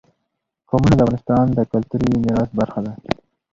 قومونه د افغانستان د کلتوري میراث برخه ده.